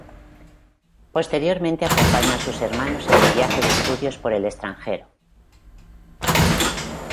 Posteriormente, acompañó a sus hermanos en su viaje de estudios por el extranjero.